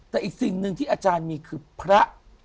แต่อีกสิ่งหนึ่งที่อาจารย์มีคือพระ